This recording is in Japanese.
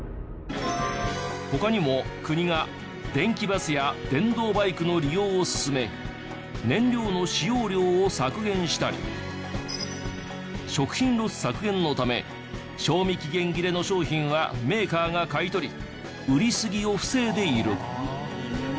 他にも国が電気バスや電動バイクの利用を勧め燃料の使用量を削減したり食品ロス削減のため賞味期限切れの商品はメーカーが買い取り売りすぎを防いでいる。